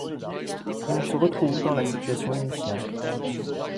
Et on se retrouve dans la situation initiale.